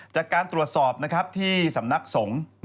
จากการตรวจสอบนะครับที่สำนักส่ง